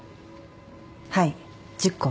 はい１０個は。